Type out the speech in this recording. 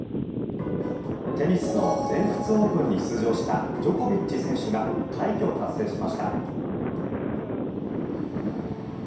テニスの全仏オープンに出場したジョコビッチ選手が快挙を達成しました。